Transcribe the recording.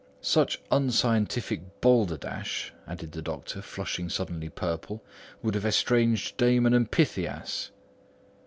Such unscientific balderdash," added the doctor, flushing suddenly purple, "would have estranged Damon and Pythias."